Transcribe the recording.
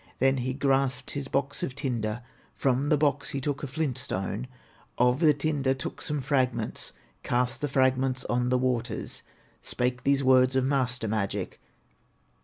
Then he grasped his box of tinder, From the box he took a flint stone, Of the tinder took some fragments, Cast the fragments on the waters, Spake these words of master magic.